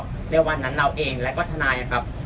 เรียกว่าวันนั้นเราเองและก็ทนายครับ